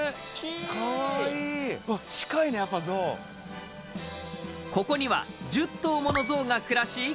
へえかわいいうわ近いねやっぱぞうここには１０頭ものぞうが暮らし